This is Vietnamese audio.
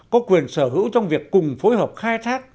có quyền sở hữu trong việc cùng phối hợp khai thác